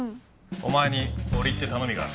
お前に折り入って頼みがある。